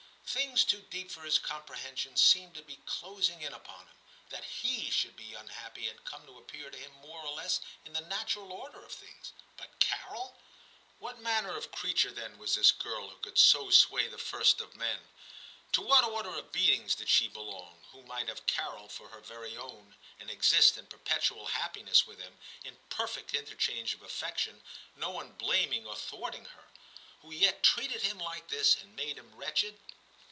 Things too deep for his comprehension seemed to be closing in upon him. That he should be unhappy had come to appear to him more or less in the natural order of things ; but Carol ! What manner of creature then was this girl who could so sway the first of men } To what order of beings did she belong, who might have Carol for her very own, and exist in perpetual happiness with him, in perfect interchange of affection, no one blaming or thwarting her; who yet treated him like this and made him wretched